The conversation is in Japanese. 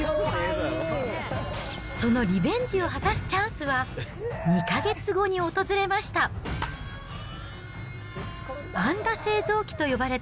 そのリベンジを果たすチャンスは２か月後に訪れました。